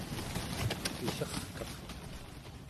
pillerkaq